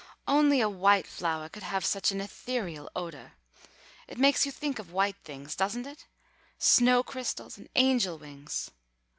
"Only a white flowah could have such an ethereal odah. It makes you think of white things, doesn't it? Snow crystals and angel wings!